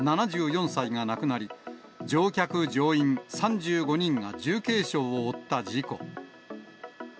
７４歳が亡くなり、乗客・乗員３５人が重軽傷を負った事故。